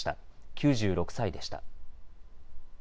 ９６歳でした。